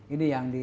ini yang di